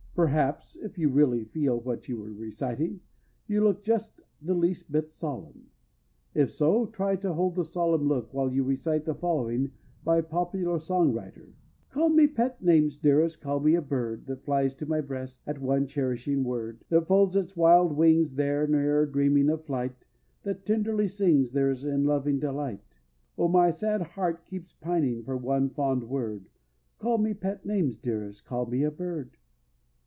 Perhaps (if you really feel what you were reciting) you look just the least bit solemn. If so, try to hold the solemn look while you recite the following by a popular song writer: Call me pet names dearest— Call me a bird That flies to my breast At one cherishing word, That folds its wild wings there Ne'er dreaming of flight, That tenderly sings there in loving delight. Oh my sad heart keeps pining For one fond word, Call me pet names dearest, _Call me a bird!